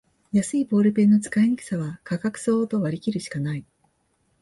安いボールペンの使いにくさは価格相応と割りきるしかない